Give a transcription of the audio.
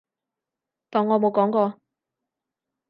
當我冇講過